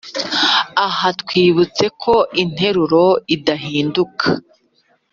Aha twibutse ko interuro idahinduka